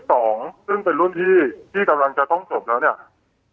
ซึ่งเป็นรุ่นพี่ที่กำลังจะต้องจบแล้วเนี่ย